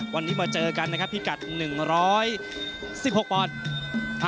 วันนี้มาเจอกันนะครับพิกัด๑๑๖ปอนด์